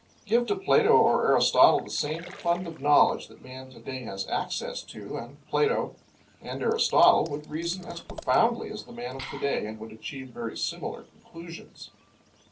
Give to Plato or Aristotle the same fund of knowledge that man to day has access to, and Plato and Aristotle would reason as profoundly as the man of to day and would achieve very similar conclusions.